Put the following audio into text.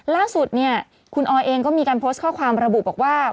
ล่าสุดเนี่ยคุณออยเองก็มีการโพสต์ข้อความระบุบอกว่า